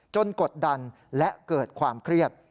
กดดันและเกิดความเครียด